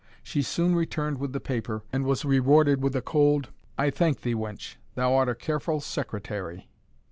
She soon returned with the paper, and was rewarded with a cold "I thank thee, wench; thou art a careful secretary."